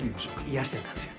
癒やしてる感じが。